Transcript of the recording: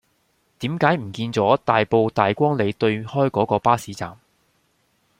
點解唔見左大埔大光里對開嗰個巴士站